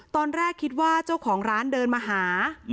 ตอนแรกคิดว่าเจ้าของร้านเดินมาหา